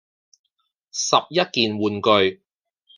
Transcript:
十一件玩具